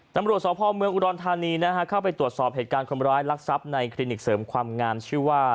ตำรวจสพเมืองอุดรธานีนะฮะเข้าไปตรวจสอบเหตุการณ์คนร้ายลักทรัพย์ในคลินิกเสริมความงามชื่อว่า